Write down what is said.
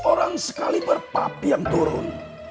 orang sekali berpapi yang turun